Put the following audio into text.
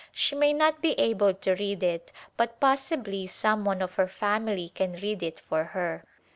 She may not be able to read it but possibly some one of her family can read it for her.